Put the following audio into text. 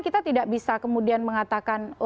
kita tidak bisa kemudian mengatakan